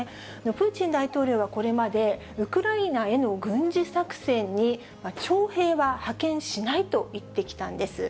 プーチン大統領はこれまで、ウクライナへの軍事作戦に徴兵は派遣しないと言ってきたんです。